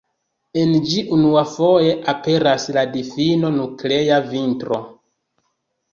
En ĝi unuafoje aperas la difino Nuklea Vintro.